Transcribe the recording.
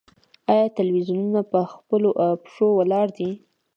آیا تلویزیونونه په خپلو پښو ولاړ دي؟